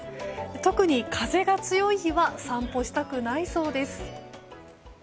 特に風が強い日は散歩したくないそうです。